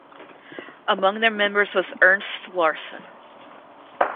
Among their members was Ernst Larsen.